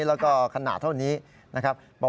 แล้วก็ขนาดเท่านี้นะครับ